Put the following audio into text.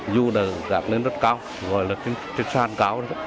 dù là rạc lên rất cao gọi là trên sàn cao